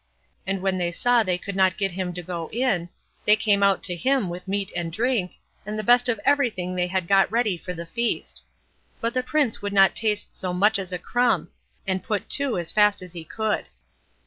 And when they saw they could not get him to go in, they came out to him with meat and drink, and the best of everything they had got ready for the feast; but the Prince would not taste so much as a crumb, and put to as fast as he could.